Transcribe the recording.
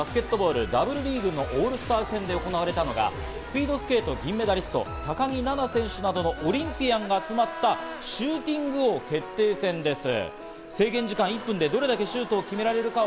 女子バスケットボール、Ｗリーグのオールスター戦で行われたのが、スピードスケート銀メダリスト、高木菜那選手などのオリンピアンが集まったシューティング王決定戦です。